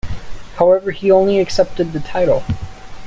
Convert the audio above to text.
However, he only accepted the title.